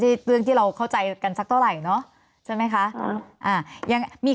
ได้เรื่องที่เราเข้าใจกันสักตอกไหลเนอะใช่มั้ยคะยังมี